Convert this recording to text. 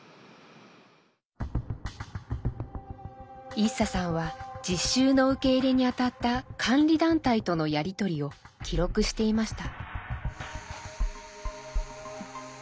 イッサさんは実習の受け入れにあたった監理団体とのやり取りを記録していました。